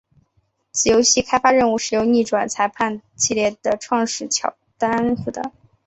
此游戏的开发任务是由逆转裁判系列的创造者巧舟负责。